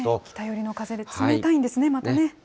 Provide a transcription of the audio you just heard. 北寄りの風で冷たいんですね、またね。